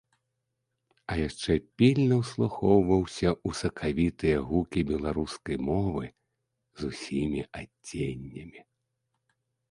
А яшчэ пільна ўслухоўваўся ў сакавітыя гукі беларускай мовы з усімі адценнямі.